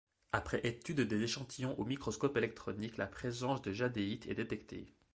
Après étude des échantillons au microscope électronique, la présence de jadéite est détectée.